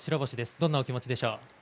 どんな気持ちでしょう？